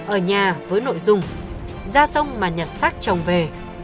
ở nhà với nội dung ra sông mà nhặt xác chồng về